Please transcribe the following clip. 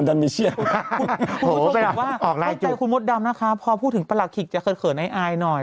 อย่างผู้ชมบอกว่าให้ใจคุณมดดำนะคะพอพูดถึงปลดคิดจะเผลอในอายหน่อย